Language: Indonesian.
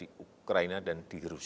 minum mencium lebih membuah